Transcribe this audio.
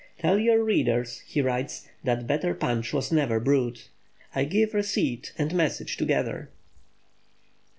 "Tell your readers," he writes, "that better punch was never brewed." I give receipt and message together.